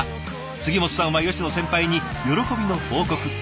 杉本さんは吉野先輩に喜びの報告。